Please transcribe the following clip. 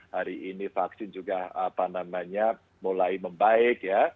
hari ini vaksin juga apa namanya mulai membaik ya